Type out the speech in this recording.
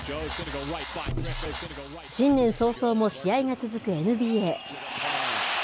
新年早々も試合が続くＮＢＡ。